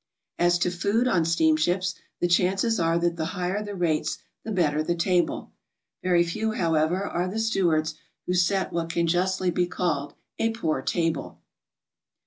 As to food on steamships, the chances are that the higher the rates the better the table. Very few, however, are the stewards who set what can justly be called a poor table.